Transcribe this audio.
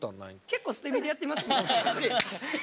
結構捨て身でやってますみんな。